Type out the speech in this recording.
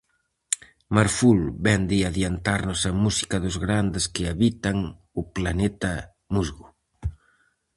Marful vén de adiantarnos a música dos grandes que habitan o "Planeta Musgo".